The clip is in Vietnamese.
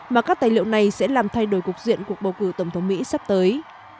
mà các tài liệu này sẽ làm thay đổi cuộc diện cuộc bầu cử tổng thống mỹ sắp tới